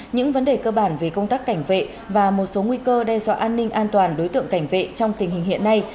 những vấn đề cơ bản về công tác cảnh vệ và một số nguy cơ đe dọa an ninh an toàn đối tượng cảnh vệ trong tình hình hiện nay